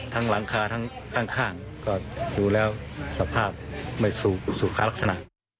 หลังคาทั้งข้างก็ดูแล้วสภาพไม่สุขาลักษณะ